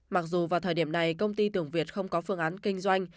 mặc dù vào thời điểm này công ty tường việt không có phương án kinh doanh